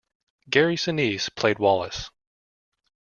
Gary Sinise played Wallace.